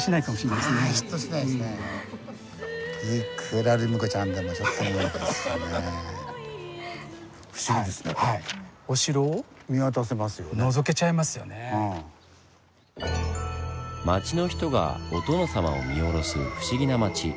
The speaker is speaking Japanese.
いくら町の人がお殿様を見下ろす不思議な町。